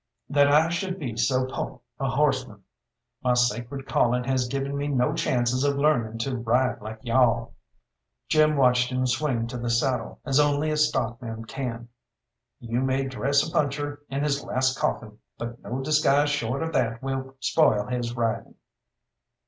that I should be so po' a horseman. My sacred calling has given me no chances of learning to ride like you all." Jim watched him swing to the saddle as only a stockman can. You may dress a puncher in his last coffin, but no disguise short of that will spoil his riding.